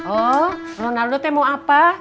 oh ronaldo teh mau apa